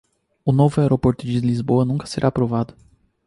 O novo aeroporto de Lisboa nunca será aprovado!